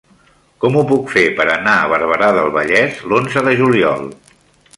Com ho puc fer per anar a Barberà del Vallès l'onze de juliol?